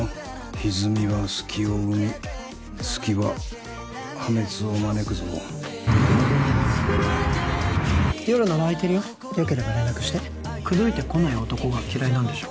ひずみが隙を生み隙は破滅を招くぞ夜なら空いてるよよければ連絡して口説いてこない男が嫌いなんでしょ